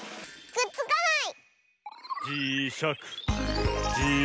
くっつかない！